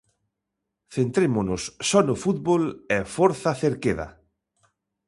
Centrémonos só no fútbol e forza Cerqueda.